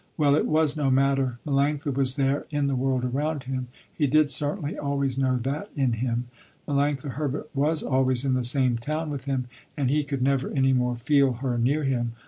Well, it was no matter, Melanctha was there in the world around him, he did certainly always know that in him. Melanctha Herbert was always in the same town with him, and he could never any more feel her near him.